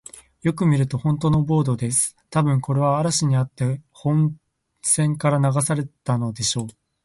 よく見ると、ほんとのボートです。たぶん、これは嵐にあって本船から流されたのでしょう。